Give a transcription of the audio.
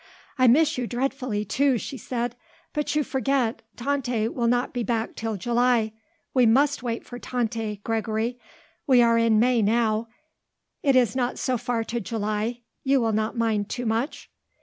"I miss you dreadfully, too," she said. "But you forget, Tante will not be back till July. We must wait for Tante, Gregory. We are in May now, it is not so far to July. You will not mind too much?"